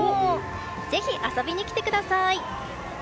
ぜひ遊びに来てください！